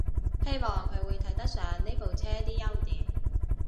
希望佢會睇得上呢部車啲優點